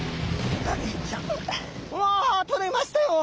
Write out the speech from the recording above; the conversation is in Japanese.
うわとれましたよ！